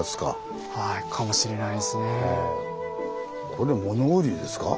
これ物売りですか？